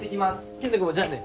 健人君もじゃあね。